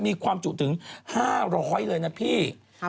มีความจุถึง๕๐๐เลยนะพี่